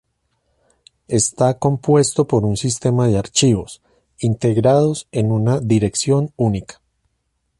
Está compuesto por un sistema de archivos, integrados en una dirección única.